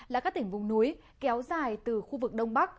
là các tỉnh vùng núi kéo dài từ khu vực đông bắc